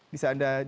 bisa anda ceritakan